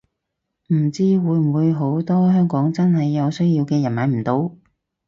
唔知會唔會好多香港真係有需要嘅人買唔到